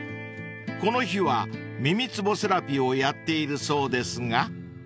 ［この日は耳つぼセラピーをやっているそうですが］